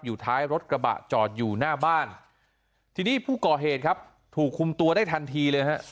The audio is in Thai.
ท้ายรถกระบะจอดอยู่หน้าบ้านทีนี้ผู้ก่อเหตุครับถูกคุมตัวได้ทันทีเลยฮะ